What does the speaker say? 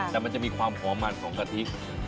แต่มันจะมีความหอมมันของกะทิ